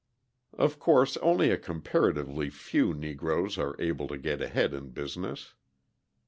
Of course only a comparatively few Negroes are able to get ahead in business.